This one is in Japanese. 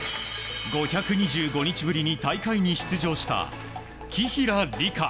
５２５日ぶりに大会に出場した紀平梨花。